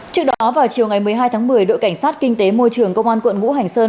trước đó vào chiều ngày một mươi hai tháng một mươi đội cảnh sát kinh tế môi trường công an quận ngũ hành sơn